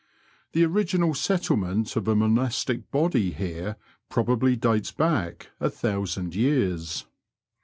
The or^;inal settlement of a monastic body here probably dates back a thousand years.